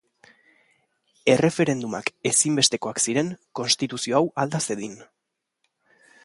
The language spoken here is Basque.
Erreferendumak ezinbestekoak ziren konstituzio hau alda zedin.